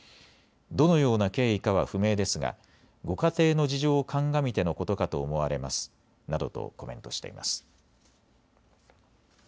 どのような経緯かは不明ですがご家庭の事情を鑑みてのことかと思われますなどとコメントしています。